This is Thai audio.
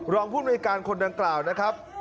รองภูมิในการคนดังกล่าวนะครับ